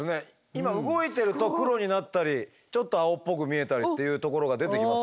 今動いてると黒になったりちょっと青っぽく見えたりっていうところが出てきますね。